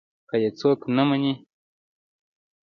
که يې څوک نه مني.